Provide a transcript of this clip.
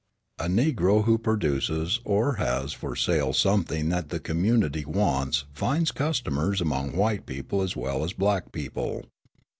A Negro who produces or has for sale something that the community wants finds customers among white people as well as black people.